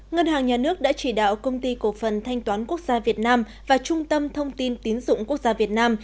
ngân hàng nhà nước đã chỉ đạo công ty cổ phần thanh toán quốc gia việt nam và trung tâm thông tin tín dụng quốc gia việt nam